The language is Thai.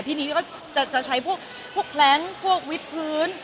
ที่นี้ก็จะใช้พวกแพล้งพวกวิทพื้น